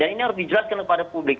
dan ini harus dijelaskan kepada publik